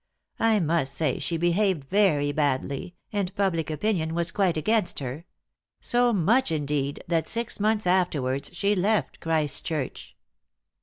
I must say she behaved very badly, and public opinion was quite against her so much, indeed, that six months afterwards she left Christchurch."